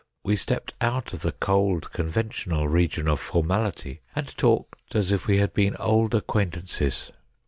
We stepped out of the cold, conventional region of formality, and talked as if we had been old ac quaintances.